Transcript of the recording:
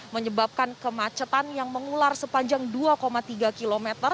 menyebabkan kemacetan yang mengular sepanjang dua tiga km